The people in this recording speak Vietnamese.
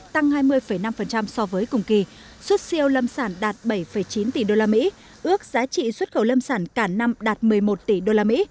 tăng hai mươi năm so với cùng kỳ xuất siêu lâm sản đạt bảy chín tỷ usd ước giá trị xuất khẩu lâm sản cả năm đạt một mươi một tỷ usd